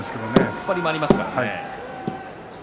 突っ張りもありますしね。